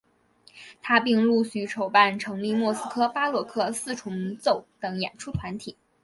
他并陆续筹办成立莫斯科巴洛克四重奏等演出团体。